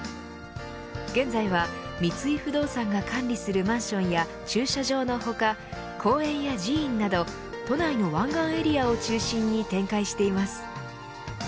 現在は三井不動産が管理するマンションや駐車場の他、公園や寺院など都内の湾岸エリアを中心に展開しています。